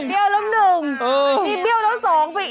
เบี้ยวแล้วหนึ่ง